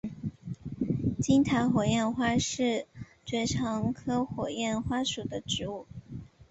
金塔火焰花是爵床科火焰花属的植物。